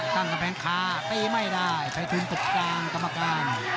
ตั้งกำแพงค้าตีไม่ได้ไฟทุนตุกกลางต่อมากัน